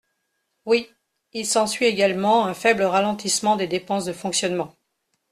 Oui ! Il s’ensuit également un faible ralentissement des dépenses de fonctionnement.